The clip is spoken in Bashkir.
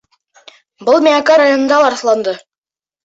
Был Миәкә районында ла раҫланды.